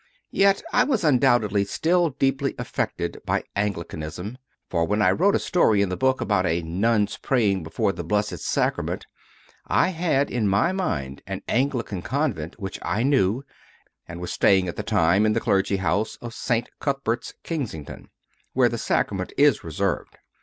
Yet I was un doubtedly still deeply affected by Anglicanism; for when I wrote a story in the book about a nun s praying before the Blessed Sacrament, I had in my mind an Anglican convent which I knew, and was staying at the time in the clergy house of St. Cuthbert s, Kensington, where the Sacrament is reserved.